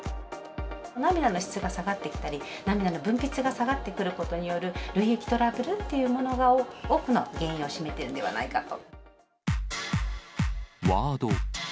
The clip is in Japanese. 涙の質が下がってきたり、涙の分泌が下がってくることによる涙液トラブルっていうものが多くの原因を占めているんではないかと。